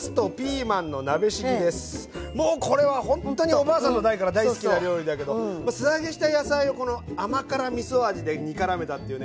もうこれはほんとにおばあさんの代から大好きな料理だけど素揚げした野菜をこの甘辛みそ味で煮からめたっていうね